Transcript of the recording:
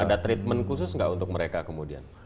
ada treatment khusus nggak untuk mereka kemudian